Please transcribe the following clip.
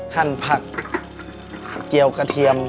หั่นผักเจียวกระเทียม